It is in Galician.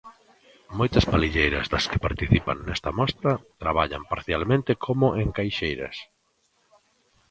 Moitas palilleiras das que participan nesta mostra traballan parcialmente como encaixeiras.